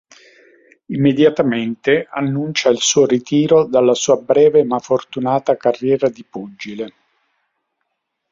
Immediatamente annuncia il suo ritiro dalla sua breve ma fortunata carriera di pugile.